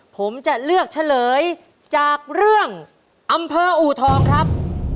ผมจะเลือกเฉลยจากเรื่องอำเภออูทองครับ